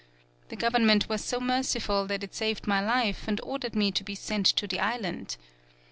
The government was so merciful that it saved my life and or dered me to be sent to the island.